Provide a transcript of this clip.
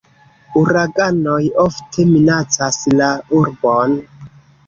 Uraganoj ofte minacas la urbon.